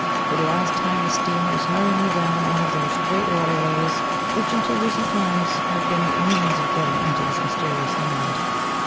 For the last time a steamer is hurrying me down one of those great waterways which, until recent times, have been the only means of getting into this mysterious land.